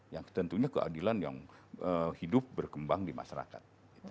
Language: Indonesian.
yang tentunya keadilan yang hidup berkembang di masyarakat